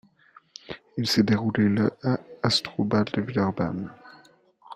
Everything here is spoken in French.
Il s’est déroulé le à Astroballe de Villeurbanne.